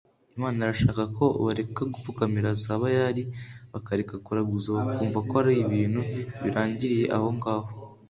Imana irashaka ko bareka gupfukamira za bayali bakareka kuraguza bakumva ko ari ibintu birangiriye aho ngaho